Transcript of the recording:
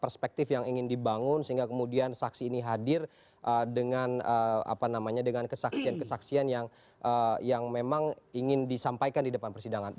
perspektif yang ingin dibangun sehingga kemudian saksi ini hadir dengan kesaksian kesaksian yang memang ingin disampaikan di depan persidangan